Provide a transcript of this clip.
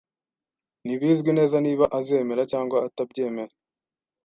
Ntibizwi neza niba azemera cyangwa atabyemera.